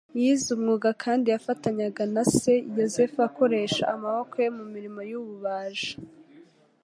Yize umwuga kandi yafatanyaga na se Yosefu akoresha amaboko ye mu murimo w'ububaji.